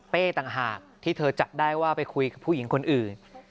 ต่างหากที่เธอจับได้ว่าไปคุยกับผู้หญิงคนอื่น